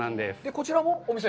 こちらもお店？